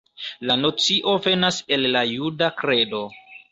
La nocio venas el la juda kredo.